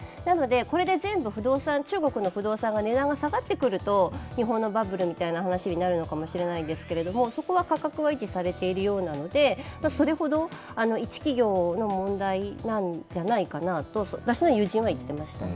これで全部中国の不動産が値段が下がってくると日本のバブルみたいな話になるのかもしれないですけど、そこは価格は維持されているようなので一企業の問題なんじゃないかなと私の友人は言っていましたね。